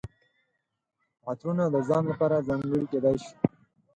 عطرونه د ځان لپاره ځانګړي کیدای شي.